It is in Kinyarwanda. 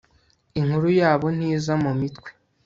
inkuru yabo ntiza mu mitwe